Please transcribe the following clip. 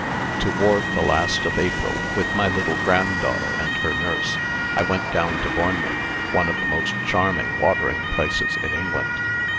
Toward the last of April, with my little granddaughter and her nurse, I went down to Bournemouth, one of the most charming watering places in England.